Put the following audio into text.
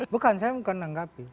bukan saya mau menanggapi